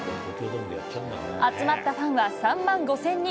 集まったファンは３万５０００人。